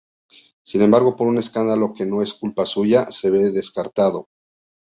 Sin embargo, por un escándalo que no es culpa suya, se ve descartado.